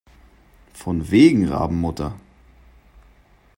Von wegen Rabenmutter!